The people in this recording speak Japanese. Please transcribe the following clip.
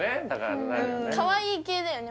かわいい系だよね